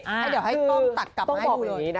อ่าเดี๋ยวให้ต้มตัดกลับมาให้ดูเลย